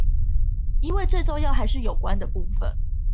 因為最重要還是有關的部分